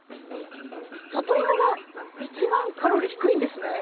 サトイモが一番カロリー低いんですね。